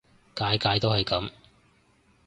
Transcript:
屆屆都係噉